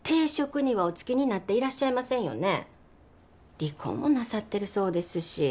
離婚もなさってるそうですし。